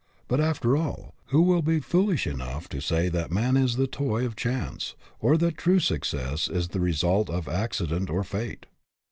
But, after all, who will be foolish enough to say that man is the toy of chance, or that true success is the result of accident or fate?